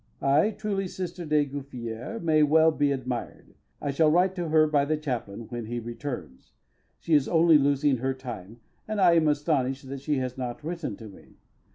Aye, truly sister de Gouffier may well be admired! I shall write to her by the chaplain when he returns. She is only losing her time, and I am astonished that she has not written to me.